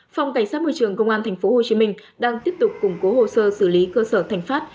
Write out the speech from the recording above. phòng cảnh sát môi trường công an tp hcm đang tiếp tục củng cố hồ sơ xử lý cơ sở thành phát